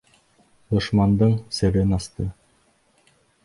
Дошмандың серен асты.